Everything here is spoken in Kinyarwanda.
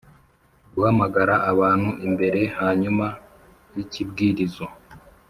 guhamagara abantu imbere hanyuma y'ikibwirizo.